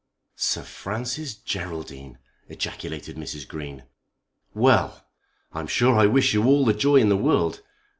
"Sir Francis Geraldine!" ejaculated Mrs. Green. "Well; I'm sure I wish you all the joy in the world.